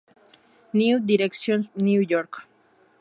New Directions, New York.